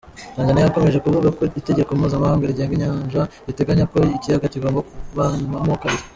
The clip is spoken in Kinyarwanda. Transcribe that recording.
Tanzania yakomeje kuvuga ko itegeko mpuzamahanga rigenga inyanja, riteganya ko ikiyaga kigomba kugabanywamo kabiri.